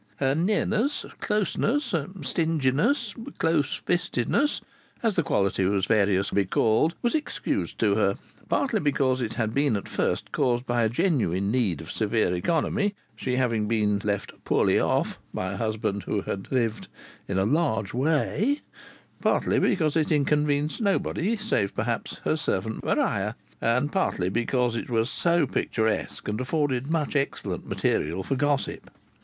Her nearness, closeness, stinginess, close fistedness as the quality was variously called was excused to her, partly because it had been at first caused by a genuine need of severe economy (she having been "left poorly off" by a husband who had lived "in a large way"), partly because it inconvenienced nobody save perhaps her servant Maria, and partly because it was so picturesque and afforded much excellent material for gossip.